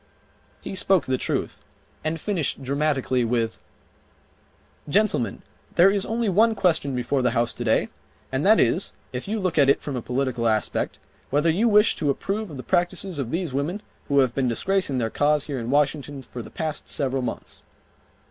He spoke the truth, and finished dramatically with: "Gentlemen, there is only one question before the House today and that is, if you look at it from a political aspect, whether you wish to approve of the practices of these women who have been disgracing their cause here in Washington for the past several months."